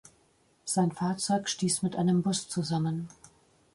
Sein Fahrzeug stieß mit einem Bus zusammen.